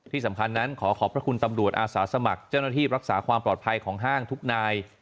ที่สำคัญนั้นขอขอบพระคุณตำรวจอาสาสมัครเจ้าหน้าที่รักษาความปลอดภัยของห้างทุกนาย